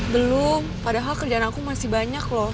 belum padahal kerjaan aku masih banyak loh